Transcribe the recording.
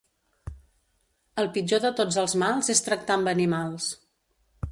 El pitjor de tots els mals és tractar amb animals.